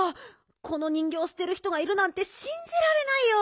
この人ぎょうをすてる人がいるなんてしんじられないよ。